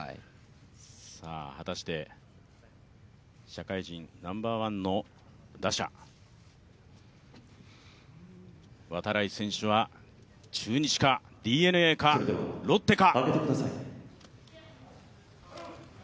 社会人ナンバーワンの打者、度会選手は中日か、ＤｅＮＡか、ロッテか。